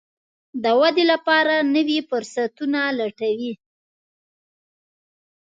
د ودې لپاره نوي فرصتونه لټوي.